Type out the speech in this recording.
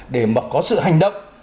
để mà có sự hành động